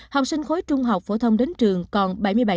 học sinh khối trung học phổ thông đến trường còn bảy mươi bảy